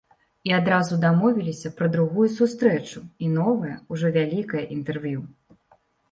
І адразу дамовіліся пра другую сустрэчу і новае, ужо вялікае інтэрв'ю.